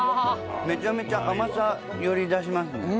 めちゃめちゃ甘さより出しますね。